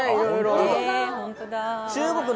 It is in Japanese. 本当だ。